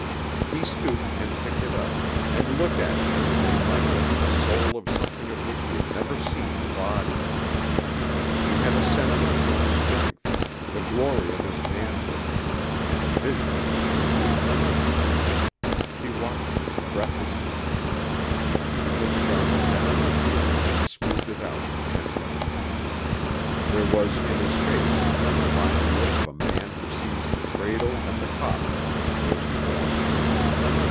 He stooped and picked it up, and looked at it as a man might look at the soul of something of which he had never seen the body. He had a sense of his own strength, the glory of his manhood, and a vision of his weakness. She watched him breathlessly. He put the garment down on the table and smoothed it out gently. There was in his face the combined look of a man who sees the cradle and the coffin of his firstborn.